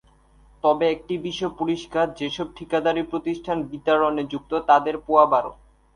তবে একটি বিষয় পরিষ্কার, যেসব ঠিকাদারি প্রতিষ্ঠান বিতাড়নে যুক্ত, তাদের পোয়াবারো।